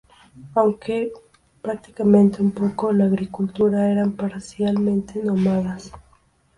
Aunque practicaban un poco la agricultura, eran parcialmente nómadas.